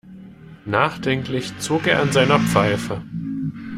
Nachdenklich zog er an seiner Pfeife.